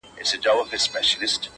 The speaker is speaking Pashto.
o په دې پوهېږمه چي ستا د وجود سا به سم.